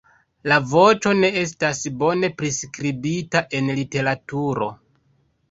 La voĉo ne estas bone priskribita en literaturo.